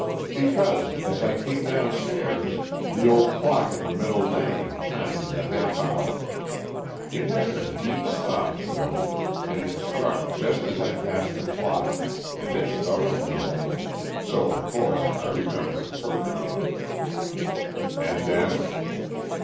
"Because as I came downstairs the old clock on the middle landing chimed the half hour. It has a deep soft note, and it struck just as I passed the clock, and it startled me a little, so of course I remember it perfectly." "And then?"